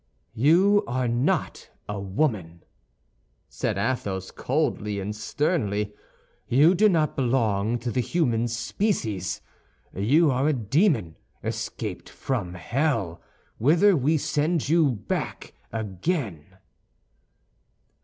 "You are not a woman," said Athos, coldly and sternly. "You do not belong to the human species; you are a demon escaped from hell, whither we send you back again."